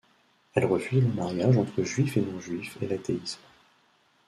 Elle refuse le mariage entre juifs et non juifs et l'athéisme.